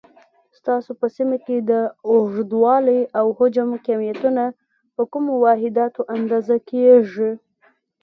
ستاسو په سیمه کې د اوږدوالي، او حجم کمیتونه په کومو واحداتو اندازه کېږي؟